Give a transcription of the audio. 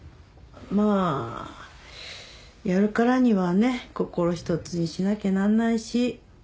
まぁやるからにはね心一つにしなきゃなんないし。